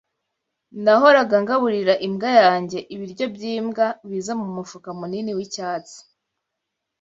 Nahoraga ngaburira imbwa yanjye ibiryo byimbwa biza mumufuka munini wicyatsi.